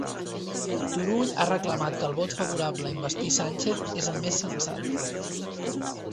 Turull ha reclamat que el vot favorable a investir Sánchez és el més sensat